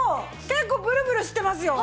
結構ブルブルしてますよ。